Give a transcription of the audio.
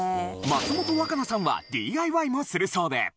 松本若菜さんはＤＩＹもするそうで！